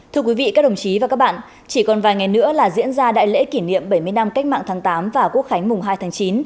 thưa quý vị các đồng chí và các bạn chỉ còn vài ngày nữa là diễn ra đại lễ kỷ niệm bảy mươi năm cách mạng tháng tám và quốc khánh mùng hai tháng chín